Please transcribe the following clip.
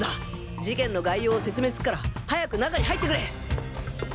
事件の概要を説明すっから早く中に入ってくれ！